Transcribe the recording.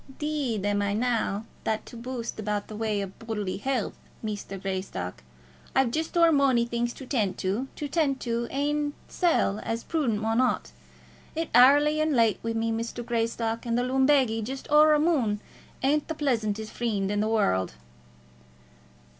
"'Deed am I nae that to boost about in the way of bodily heelth, Muster Greystock. I've just o'er mony things to tent to, to tent to my ain sell as a prudent mon ought. It's airly an' late wi' me, Muster Greystock; and the lumbagy just a' o'er a mon isn't the pleasantest freend in the warld."